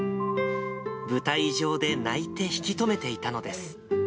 舞台上で泣いて引き留めていたのです。